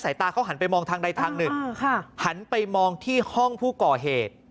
ตาเขาหันไปมองทางใดทางหนึ่งหันไปมองที่ห้องผู้ก่อเหตุ